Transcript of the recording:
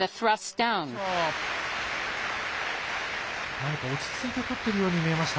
何か落ち着いて取っているように見えました。